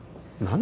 何？